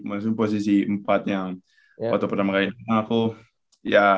maksudnya posisi empat yang waktu pertama kali